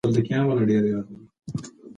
ایا ناتاشا د خپل ژوند په پای کې ارامه شوه؟